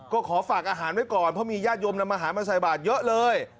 ก็ขอฝากอาหารไว้ก่อนเพราะมีญาติโยมนำอาหารมาใส่บาทเยอะเลย